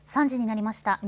３時になりました。